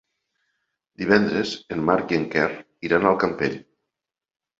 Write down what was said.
Divendres en Marc i en Quer iran al Campello.